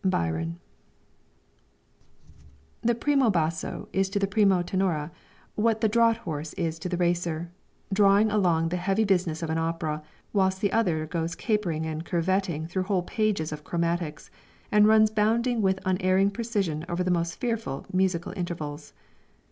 BYRON. The Primo Basso is to the primo tenore what the draught horse is to the racer; drawing along the heavy business of an opera, whilst the other goes capering and curvetting through whole pages of chromatics, and runs bounding with unerring precision over the most fearful musical intervals.